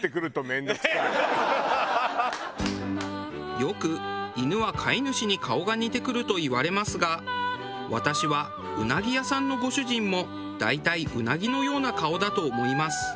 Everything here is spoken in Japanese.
よく「犬は飼い主に顔が似てくる」といわれますが私はうなぎ屋さんのご主人も大体うなぎのような顔だと思います。